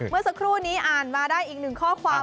เมื่อสักครู่นี้อ่านมาได้อีกหนึ่งข้อความ